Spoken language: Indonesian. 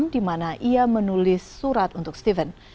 dimana ia menulis surat untuk steven